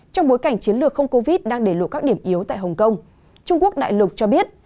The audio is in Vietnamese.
trong bối cảnh chiến lược không covid đang để lộ các điểm yếu tại hồng kông trung quốc đại lục cho biết